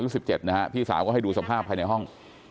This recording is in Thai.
๑๗นะฮะพี่สาวก็ให้ดูสภาพภายในห้อง